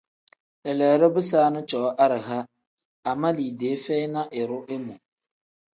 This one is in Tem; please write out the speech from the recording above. Leleedo bisaani cooo araha ama liidee feyi na iraa imu.